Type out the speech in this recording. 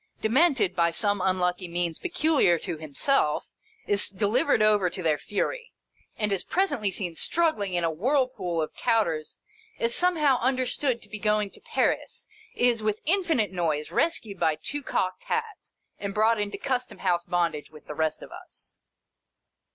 Demented, by some unlucky means peculiar to himself, is delivered over to their fury, and is presently seen struggling in a whirlpool of Touters— is somehow understood to be going to Paris — is, with infinite noise, rescued by two cocked hats, and brought into Custom House bond age with the rest of us.